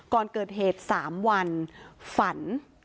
ก่อนเกิดเหตุ๓วันฝัน